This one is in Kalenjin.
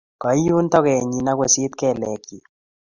Koiun togennyi ako sit kelekyik